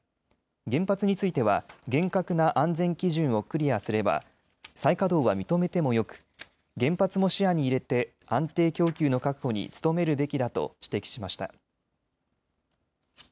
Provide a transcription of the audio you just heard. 原発については厳格な安全基準をクリアすれば再稼働は認めてもよく、原発も視野に入れて安定供給の確保に努めるべきだと指摘しました。